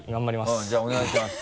うんじゃあお願いします。